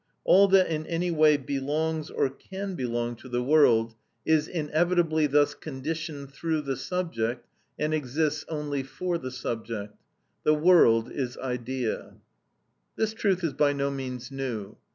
All that in any way belongs or can belong to the world is inevitably thus conditioned through the subject, and exists only for the subject. The world is idea. This truth is by no means new.